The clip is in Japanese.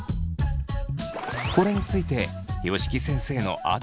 これについて吉木先生のアドバイスは。